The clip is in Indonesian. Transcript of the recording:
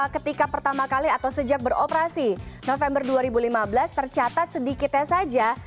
ketika pertama kali atau sejak beroperasi november dua ribu lima belas tercatat sedikitnya saja